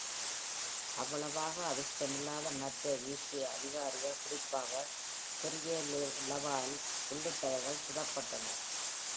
அவ்வளவாக அதிர்ஷ்டமில்லாத மற்ற Vichy அதிகாரிகள், குறிப்பாக Pierre Laval உள்ளிட்டவர்கள் சுடப்பட்டனர்.